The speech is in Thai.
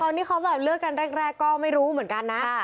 ที่เขาแบบเลิกกันแรกก็ไม่รู้เหมือนกันนะ